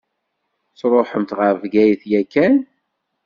Tṛuḥemt ɣer Bgayet yakan?